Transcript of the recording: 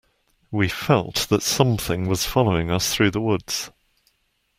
We felt that something was following us through the woods.